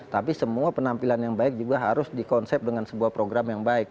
tapi semua penampilan yang baik juga harus dikonsep dengan sebuah program yang baik